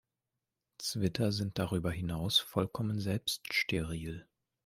Zwitter sind darüber hinaus vollkommen selbststeril.